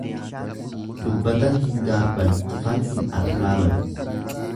Dubbatan hin gaabban tufan hin arraaban.